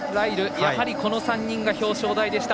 やはり、この３人が表彰台でした。